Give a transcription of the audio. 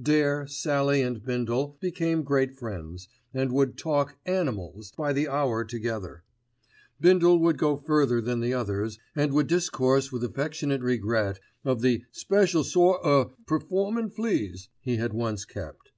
Dare, Sallie, and Bindle became great friends, and would talk "animals" by the hour together. Bindle would go further than the others, and would discourse with affectionate regret of the "special sort o' performin' fleas" he had once kept.